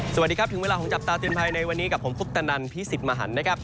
สวัสดีครับถึงเวลาของจับตาเตือนภัยในวันนี้กับผมคุปตนันพี่สิทธิ์มหันนะครับ